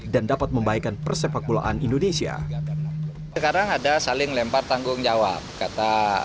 dan dapat membaikkan persepakbolaan indonesia sekarang ada saling lempar tanggung jawab kata